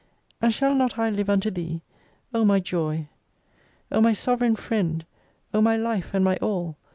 And shall not I live unto Thee ? O my Joy ! O my Sovereign Friend! O my life and my all!